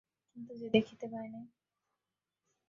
কিছু যে দেখিতে পাই না।